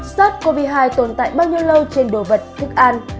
sars cov hai tồn tại bao nhiêu lâu trên đồ vật thức ăn